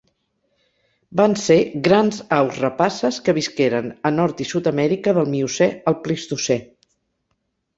Van ser grans aus rapaces que visqueren a Nord i Sud-amèrica del Miocè al Plistocè.